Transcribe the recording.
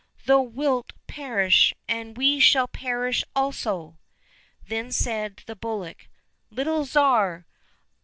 Thou wilt perish, and we shall perish also !"— Then said the bullock, " Little Tsar